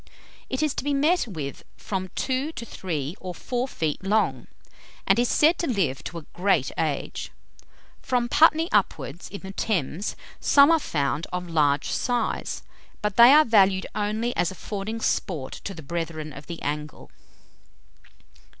It is to be met with from two to three or four feet long, and is said to live to a great age. From Putney upwards, in the Thames, some are found of large size; but they are valued only as affording sport to the brethren of the angle.